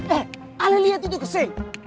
eh aleliat itu kesing